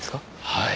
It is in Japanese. はい。